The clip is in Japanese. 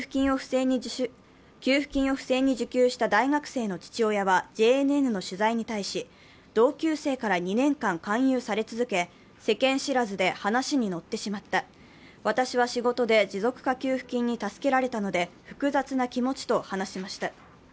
給付金を不正に受給した大学生の父親はＪＮＮの取材に対し、同級生から２年間勧誘され続け、世間知らずで話に乗ってしまった、私は仕事で持続化給付金に助けられたので、複雑な気持ちと話しました。